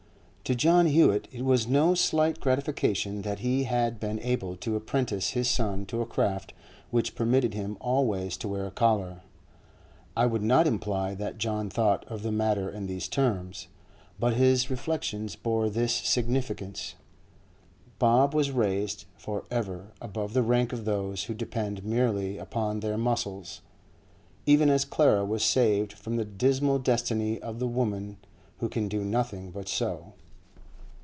To John Hewett it was no slight gratification that he had been able to apprentice his son to a craft which permitted him always to wear a collar. I would not imply that John thought of the matter in these terms, but his reflections bore this significance. Bob was raised for ever above the rank of those who depend merely upon their muscles, even as Clara was saved from the dismal destiny of the women who can do nothing but sew.